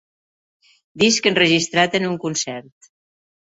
Disc enregistrat en un concert.